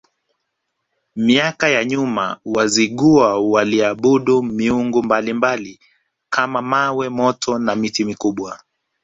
Miaka ya nyuma Wazigua waliabudu miungu mbalimbali kama mawe moto na miti mikubwa